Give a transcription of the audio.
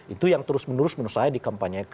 itu yang terus menerus menurut saya dikampanyekan